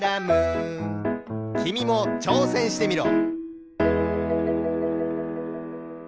きみもちょうせんしてみろ。